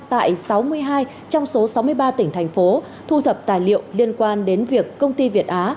tại sáu mươi hai trong số sáu mươi ba tỉnh thành phố thu thập tài liệu liên quan đến việc công ty việt á